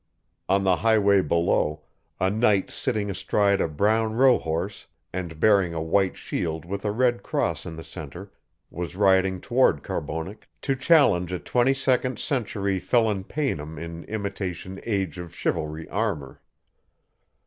On the highway below, a knight sitting astride a brown rohorse and bearing a white shield with a red cross in the center was riding toward Carbonek to challenge a twenty second century "felon paynim" in imitation Age of Chivalry armor.